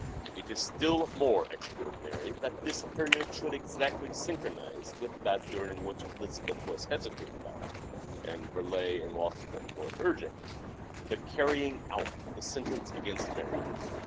It is still more extraordinary that this period should exactly synchronize with that during which Elizabeth was hesitating about, and Burleigh and Walsingham were urging, the carrying out of the sentence against Mary.